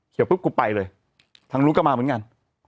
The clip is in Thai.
ปุ๊บกูไปเลยทางนู้นก็มาเหมือนกัน